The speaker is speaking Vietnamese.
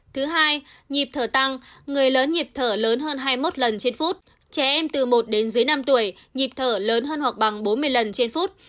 thứ hai nhịp thở tăng người lớn nhịp thở lớn hơn hai mươi một lần trên phút trẻ em từ một đến dưới năm tuổi nhịp thở lớn hơn hoặc bằng bốn mươi lần trên phút